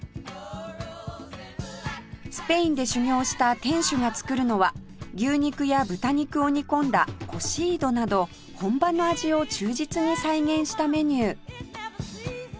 スペインで修業した店主が作るのは牛肉や豚肉を煮込んだコシードなど本場の味を忠実に再現したメニュー